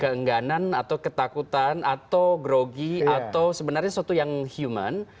keengganan atau ketakutan atau grogi atau sebenarnya sesuatu yang human